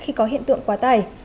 khi có hiện tượng quá tải